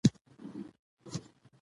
السير لکبير کتاب حسن سيلاني ليکی دی.